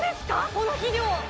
この肥料！